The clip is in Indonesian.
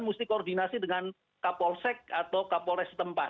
mesti koordinasi dengan kapolsek atau kapolres tempat